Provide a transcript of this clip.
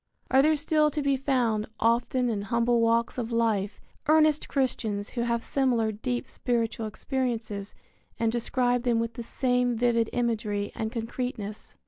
Are there still to be found, often in humble walks of life, earnest Christians who have similar deep spiritual experiences and describe them with the same vivid imagery and concreteness?